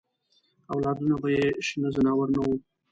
اولادونه به یې شنه ځناور نه وي.